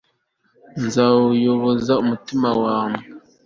azabayoboza umutima umwe